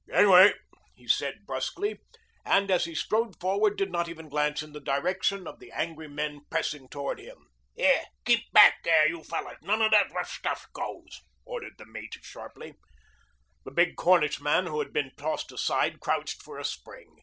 "Gangway!" he said brusquely, and as he strode forward did not even glance in the direction of the angry men pressing toward him. "Here. Keep back there, you fellows. None of that rough stuff goes," ordered the mate sharply. The big Cornishman who had been tossed aside crouched for a spring.